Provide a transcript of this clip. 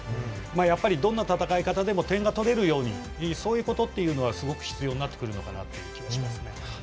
やっぱりどんな戦い方でも点が取れるようにそういうことというのがすごく必要になってくるという気もしますね。